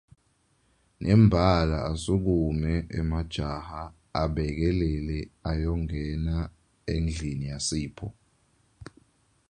Nembala asukume emajaha abekelele ayongena endlini yaSipho.